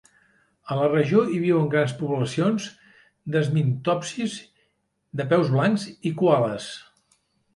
A la regió hi viuen grans poblacions d'sminthopsis de peus blancs i koales.